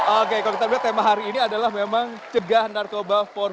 oke kalau kita melihat tema hari ini adalah memang cegah narkoba empat